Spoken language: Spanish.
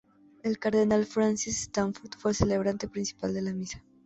El Cardenal Francis Stafford fue el celebrante principal de la misa.